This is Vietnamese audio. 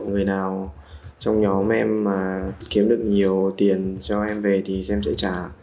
người nào trong nhóm em mà kiếm được nhiều tiền cho em về thì xem trợ trả